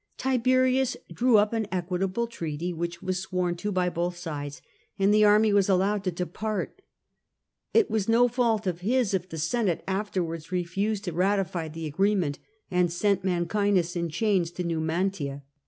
Tiberius drew up an equitable treaty, which was sworn to by both sides, and the army was allowed to depart. It was no fault of his if the Senate afterwards refused to ratify the agreement, and sent Mancinus in chains to Numantia.